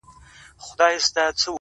o څنکه چي خاموشه دریابو کي ملغلري دي,